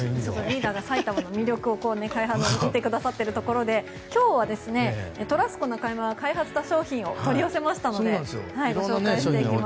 リーダーが埼玉の魅力を開発してくださっているところで今日はトラスコ中山が開発した商品を取り寄せましたのでご紹介していきます。